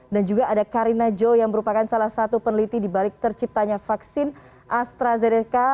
dan juga ada karina jo yang merupakan salah satu peneliti dibalik terciptanya vaksin astrazeneca